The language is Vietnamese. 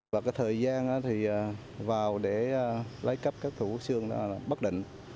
và cái thời gian thì vào để lấy cắp các thủ xương đó là bất định